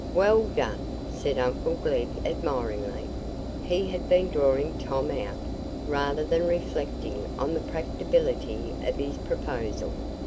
"Well done!" said uncle Glegg, admiringly. He had been drawing Tom out, rather than reflecting on the practicability of his proposal.